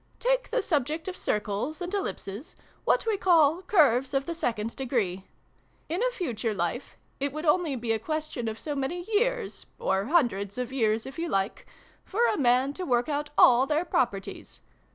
Take the subject of circles and ellip ses what we call ' curves of the second de gree.' In a future Life, it would only be a question of so many years (or hundreds of years, if you like), for a man to work out all their properties.